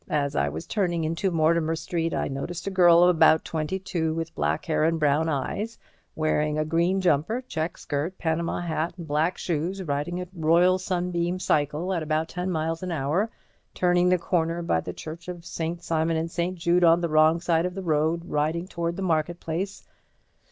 As I was turning into Mortimer Street I noticed a girl of about twenty two with black hair and brown eyes, wearing a green jumper, check skirt, Panama hat and black shoes riding a Royal Sunbeam Cycle at about ten miles an hour turning the corner by the Church of St. Simon and St. Jude on the wrong side of the road riding towards the market place!'